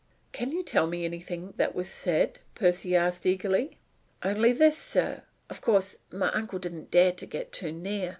"Can you tell me anything that was said?" Percy asked eagerly. "Only this, sir. Of course, my uncle didn't dare to get too near.